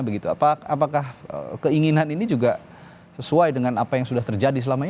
apakah keinginan ini juga sesuai dengan apa yang sudah terjadi selama ini